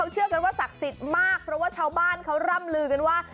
เชื่อกันว่าศักดิ์สิทธิ์มากเพราะว่าชาวบ้านเขาร่ำลือกันว่า